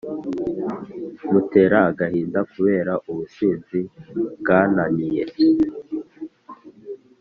Mutera agahinda kubera ubusinzi bwananiye